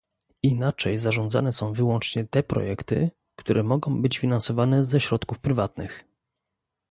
Inaczej zarządzane są wyłącznie te projekty, które mogą być finansowane ze środków prywatnych